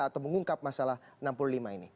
atau mengungkap masalah enam puluh lima ini